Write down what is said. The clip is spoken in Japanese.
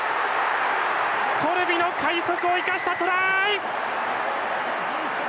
コルビの快足を生かしたトライ！